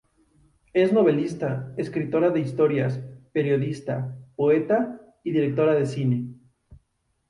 Es novelista, escritora de historias, periodista, poeta y directora de cine.